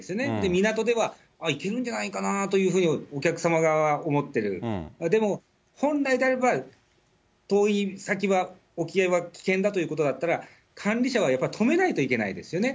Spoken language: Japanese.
港では、ああ、行けるんじゃないかなというふうにお客様側は思ってる、でも本来であれば、遠い先は、沖合は危険だということだったら、管理者はやっぱり止めないといけないですよね。